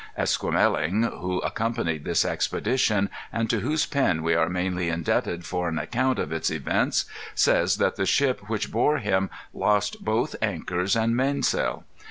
Esquemeling, who accompanied this expedition, and to whose pen we are mainly indebted for an account of its events, says that the ship which bore him lost both anchors and mainsail.